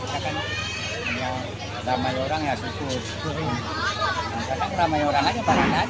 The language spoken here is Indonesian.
dua ratus satu hari